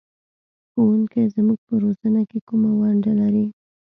ښوونکی زموږ په روزنه کې کومه ونډه لري؟